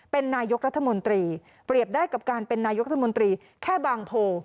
เป็นนายกรัฐมนตรีเปรียบได้กับการเป็นนายกรัฐมนตรีแค่บางโพ